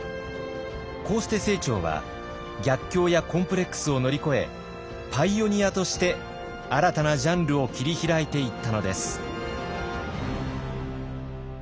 こうして清張は逆境やコンプレックスを乗り越えパイオニアとして新たなジャンルを切り開いていったのです。